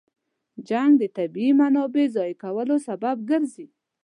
جنګ د طبیعي منابعو ضایع کولو سبب ګرځي.